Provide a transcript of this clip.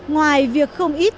ngoài việc không ít